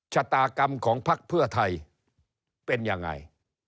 ชะตากรรมของพักเพื่อไทยเป็นยังไง